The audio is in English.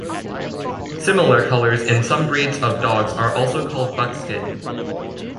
Similar colors in some breeds of dogs are also called buckskin.